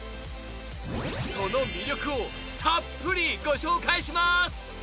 その魅力をたっぷりご紹介します。